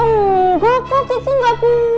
enggak pak kiki gak buang